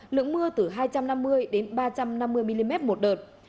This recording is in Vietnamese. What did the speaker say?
lượng mưa từ hai trăm năm mươi đến ba trăm năm mươi mm một đợt